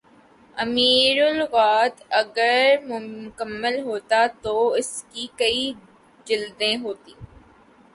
امیر اللغات اگر مکمل ہوتا تو اس کی کئی جلدیں ہوتیں